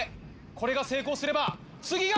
これが成功すれば次が。